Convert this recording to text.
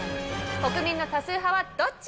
国民の多数派はどっち？